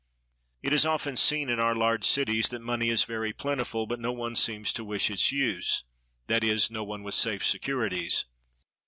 It is often seen, in our large cities, that money is very plentiful, but no one seems to wish its use (that is, no one with safe securities).